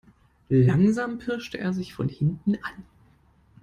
Langsam pirschte er sich von hinten an.